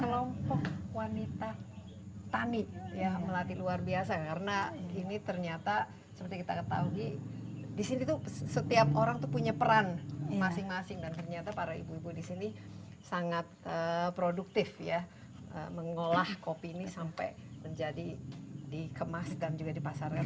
kelompok wanita tani melatih luar biasa karena ini ternyata seperti kita ketahui di sini setiap orang itu punya peran masing masing dan ternyata para ibu ibu di sini sangat produktif ya mengolah kopi ini sampai menjadi dikemas dan juga dipasarkan